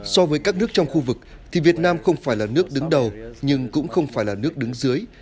so với các nước trong khu vực thì việt nam không phải là nước đứng đầu nhưng cũng không phải là nước đứng dưới